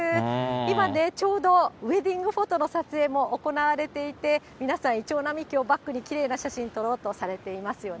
今ね、ちょうどウェディングフォトの撮影も行われていて、皆さん、イチョウ並木をバックにきれいな写真を撮ろうとされています。